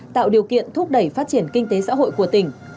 tạo điều kiện thúc đẩy phát triển kinh tế xã hội của tỉnh